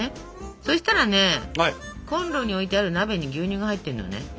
そしたらねコンロに置いてある鍋に牛乳が入ってるのね。